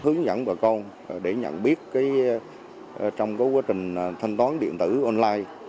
hướng dẫn bà con để nhận biết trong quá trình thanh toán điện tử online